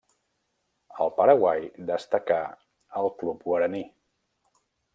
Al Paraguai destacà al Club Guaraní.